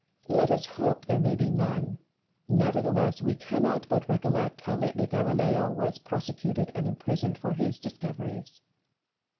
Barrow. Let us hope there may be none \ nevertheless we cannot but recollect how lately Galileo was persecuted and imprisoned for his discoveries.